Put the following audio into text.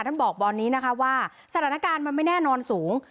บอกบอลนี้นะคะว่าสถานการณ์มันไม่แน่นอนสูง